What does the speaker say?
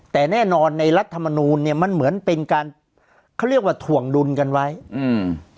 แต่แน่นอนในรัฐมนูลเนี้ยมันเหมือนเป็นการเขาเรียกว่าถ่วงดุลกันไว้อืม